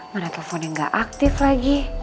mana telponnya gak aktif lagi